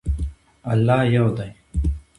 الله یو دی.